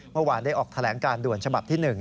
เมื่อวานได้ออกแถลงการด่วนฉบับที่๑